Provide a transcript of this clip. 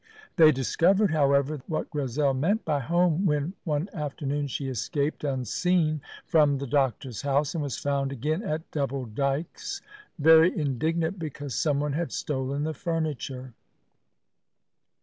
They discovered, however, what Grizel meant by home when, one afternoon, she escaped, unseen, from the doctor's house, and was found again at Double Dykes, very indignant because someone had stolen the furniture.